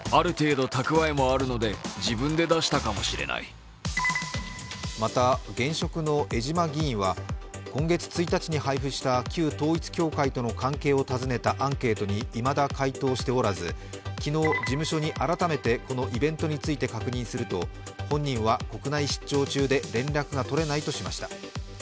一方、旅費についてはまた現職の江島議員は、今月１日に配布した旧統一教会との関係を尋ねたアンケートにいまだ回答しておらず昨日、事務所に改めてこのイベントについて確認すると本人は国内出張中で連絡が取れないとしました。